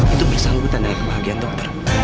itu bersangkutan dari kebahagiaan dokter